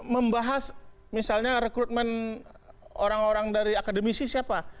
membahas misalnya rekrutmen orang orang dari akademisi siapa